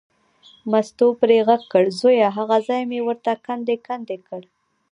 مستو پرې غږ کړ، زویه هغه ځای یې ورته کندې کندې کړ.